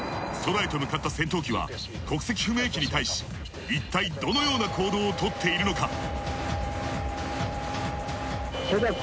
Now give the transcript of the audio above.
空へと向かった戦闘機は国籍不明機に対しいったいどのような行動をとっているのか？